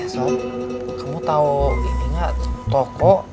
sob kamu tahu ini enggak toko